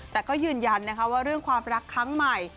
แต่ก็ยืนยันนะคะว่าเรื่องความรักครั้งใหม่